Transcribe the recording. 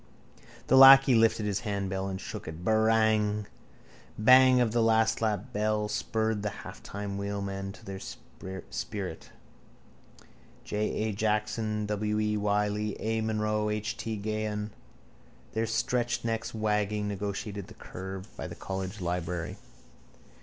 The lacquey lifted his handbell and shook it: —Barang! Bang of the lastlap bell spurred the halfmile wheelmen to their sprint. J. A. Jackson, W. E. Wylie, A. Munro and H. T. Gahan, their stretched necks wagging, negotiated the curve by the College library.